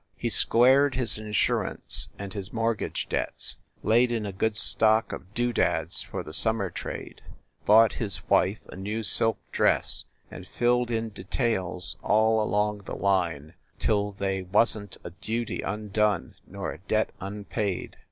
He squared his insurance and his mortgage debts, laid in a good stock of doodads for the summer trade, bought his wife a new silk dress and filled in details all along the line till they wasn t a duty undone nor a debt unpaid.